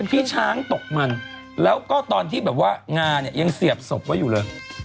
ที่ช้างตกมันแล้วก็ตอนที่แบบว่างาเนี่ยยังเสียบศพไว้อยู่เลย